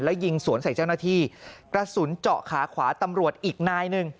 แล้วยิงสวนใส่เจ้าหน้าที่กระสุนเจาะขาขวาตำรวจอีกนายหนึ่ง